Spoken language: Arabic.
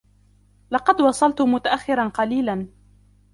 لقد وصلت متأخرا قليلا.